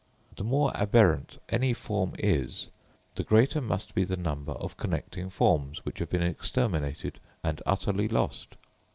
The more aberrant any form is, the greater must be the number of connecting forms which have been exterminated and utterly lost.